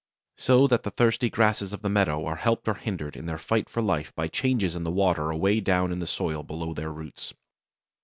So that the thirsty grasses of the meadow are helped or hindered in their fight for life by changes in the water away down in the soil below their roots.